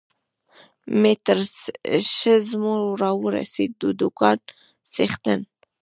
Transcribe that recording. مې تر سږمو را ورسېد، د دوکان څښتن.